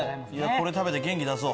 これ食べて元気出そう。